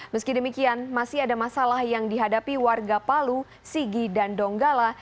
meski demikian masih ada masalah yang dihadapi warga palu sigi dan donggala